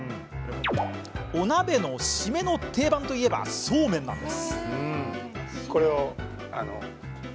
お鍋の締めの定番といえばそうめんなんです。